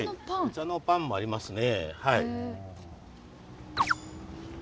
「お茶のぱん」もありますね。